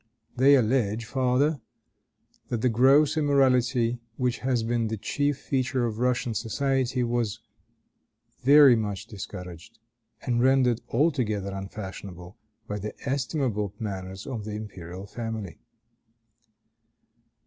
They allege farther, that the gross immorality which has been the chief feature of Russian society was very much discouraged, and rendered altogether unfashionable by the estimable manners of the imperial family.